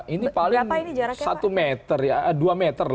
ini paling satu meter ya dua meter